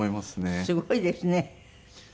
すごいですね。